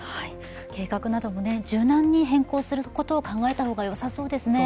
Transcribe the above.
計画なども柔軟に変更することを考えた方がよさそうですね。